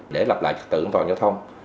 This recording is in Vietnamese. để lập lại trật tự an toàn giao thông